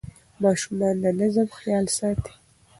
ماشومان د نظم خیال ساتي.